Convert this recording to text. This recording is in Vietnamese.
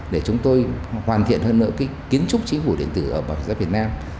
để chúng tôi hoàn thiện hơn nữa cái kiến trúc chính phủ điện tử ở bảo hiểm xã việt nam